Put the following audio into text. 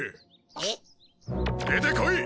えっ？出てこい！